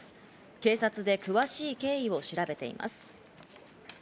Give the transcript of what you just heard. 警察で詳しい経緯を調べています。